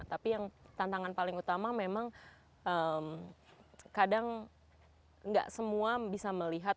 tapi yang tantangan paling utama memang kadang nggak semua bisa melihat